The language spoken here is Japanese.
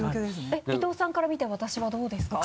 伊藤さんから見て私はどうですか？